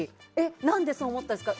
なんでそう思ったんですか？